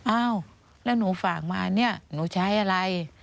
อ้าวแล้วหนูฝากมาเนี่ยหนูใช้อะไร